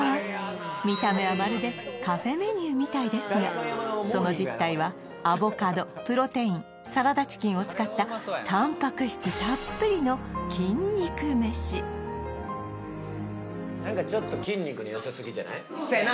見た目はまるでカフェメニューみたいですがその実態はアボカドプロテインサラダチキンを使ったタンパク質たっぷりの筋肉メシ何かちょっと・せやな！